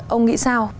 ông nghĩ sao